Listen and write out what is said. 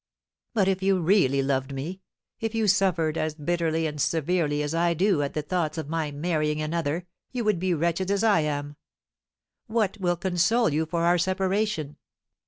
"But if you really loved me, if you suffered as bitterly and severely as I do at the thoughts of my marrying another, you would be wretched as I am. What will console you for our separation?"